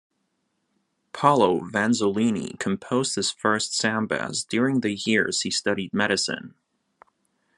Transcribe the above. Paulo Vanzolini composed his first sambas during the years he studied medicine.